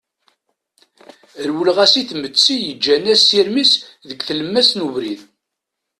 Rewleɣ-as i tmetti yeǧan asirem-is deg tlemmast n ubrid.